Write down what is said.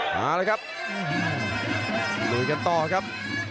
มาแล้วครับลุยกันต่อครับ